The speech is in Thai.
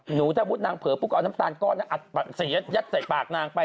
หนูถ้าพูดนางเผลอพวกเขาเอาน้ำตาลก็อดใส่ปากนางไป